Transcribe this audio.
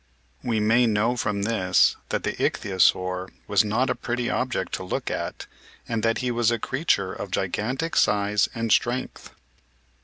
We may know from this that the Ichthyosaur was not a pretty object to look at and that he was a creature of gigantic size and strength.